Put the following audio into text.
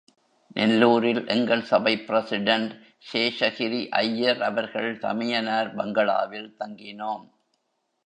நெல்லூரில், எங்கள் சபை பிரசிடென்ட் சேஷகிரி ஐயர் அவர்கள் தமயனார் பங்களாவில் தங்கினோம்.